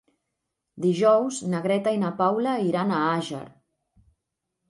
Dijous na Greta i na Paula iran a Àger.